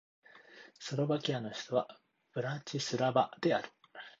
スロバキアの首都はブラチスラバである